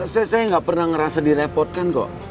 saya nggak pernah ngerasa direpotkan kok